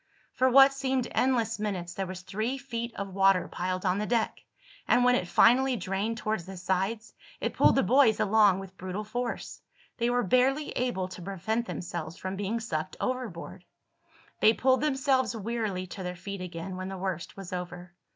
For what seemed endless minutes there was three feet of water piled on the deck, and when it finally drained toward the sides it pulled the boys along with brutal force. They were barely able to prevent themselves from being sucked overboard. They pulled themselves wearily to their feet again when the worst was over.